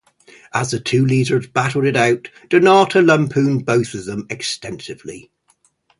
As the two leaders battled it out, Donato lampooned both of them extensively.